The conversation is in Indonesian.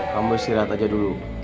kamu istirahat aja dulu